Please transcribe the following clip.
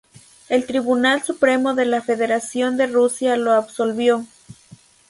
El Tribunal Supremo de la Federación de Rusia lo absolvió.